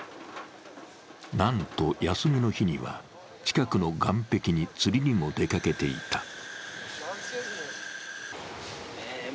なんと休みの日には、近くの岸壁に釣りにも出かけていた。